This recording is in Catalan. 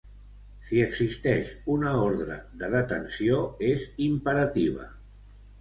Si existeix una ordre de detenció, és imperativa.